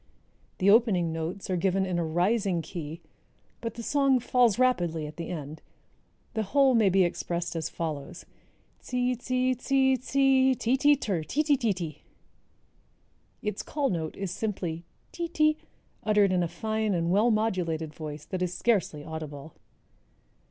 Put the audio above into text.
The opening notes are given in a rising key, but the song falls rapidly at the end. The whole may be expressed as follows: Tzee, tzee, tzee, tzee, ti, ti, ter, ti ti ti ti." Its call note is simply ti ti uttered in a fine and well modulated voice that is scarcely audible.